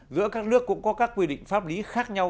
giữa các nước cũng có các quy định pháp lý khác nhau